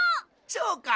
そうか。